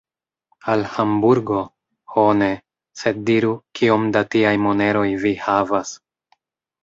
Al Hamburgo? Ho ne; sed diru, kiom da tiaj moneroj vi havas.